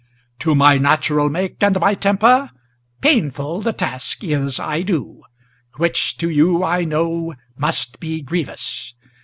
To my natural make and my temper Painful the task is I do, which to you I know must be grievous.